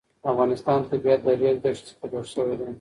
د افغانستان طبیعت له د ریګ دښتې څخه جوړ شوی دی.